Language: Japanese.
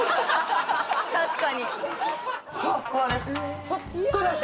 確かに。